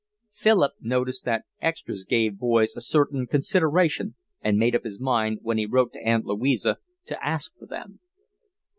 Philip noticed that 'extras' gave boys a certain consideration and made up his mind, when he wrote to Aunt Louisa, to ask for them.